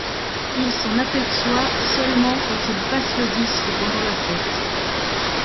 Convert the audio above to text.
Il s’en aperçoit seulement quand il passe le disque pendant la fête.